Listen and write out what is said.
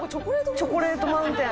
チョコレートファウンテン！」